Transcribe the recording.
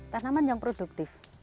tanaman yang produktif